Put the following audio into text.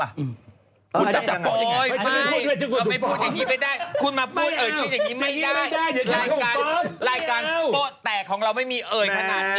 แต่ละคนไม่เคยถูกฟ้องกันเลย